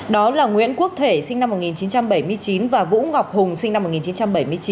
đó là nguyễn quốc thể sinh năm một nghìn chín trăm bảy mươi chín và vũ ngọc hùng sinh năm một nghìn chín trăm bảy mươi chín